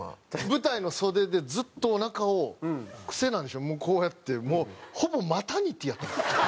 舞台の袖でずっとおなかを癖なんでしょうこうやってもうほぼマタニティやったんですよ。